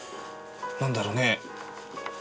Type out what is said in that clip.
なんだろうね。